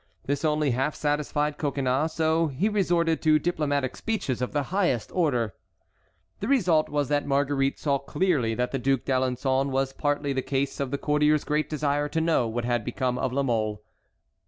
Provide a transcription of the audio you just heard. This only half satisfied Coconnas, so he resorted to diplomatic speeches of the highest order. The result was that Marguerite saw clearly that the Duc d'Alençon was partly the cause of the courtier's great desire to know what had become of La Mole.